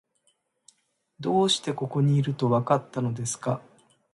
どうしてここにいると、わかったのですか？